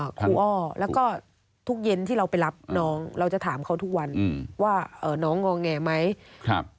ครูอ้อแล้วก็ทุกเย็นที่เราไปรับน้องเราจะถามเขาทุกวันอืมว่าน้องงอแงไหมครับ